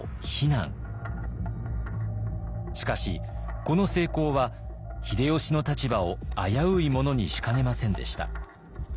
しかしこの成功は秀吉の立場を危ういものにしかねませんでした。